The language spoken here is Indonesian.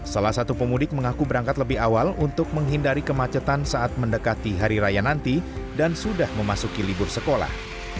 salah satu pemudik mengaku berangkat lebih awal untuk menghindari kemacetan saat mendekati hari raya nanti dan sudah memasuki libur sekolah